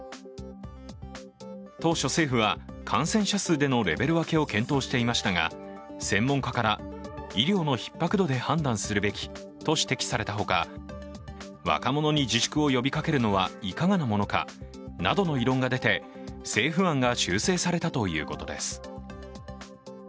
当初、政府は感染者数でのレベル分けを検討していましたが、専門家から医療のひっ迫度で判断するべきと指摘されたほか若者に自粛を呼びかけるのはいかがなものかなどの異論が出て、政府案が修正されたということです。